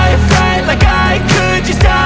ibu ingin mencoba